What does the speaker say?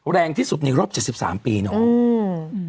แรงที่สุดในรอบ๗๓ปีเนาะ